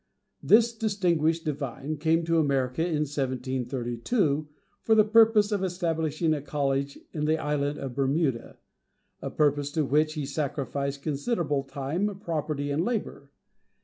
This distinguished divine came to America in 1732, for the purpose of establishing a college in the island of Bermuda; a purpose to which he sacrificed considerable time, property and labour.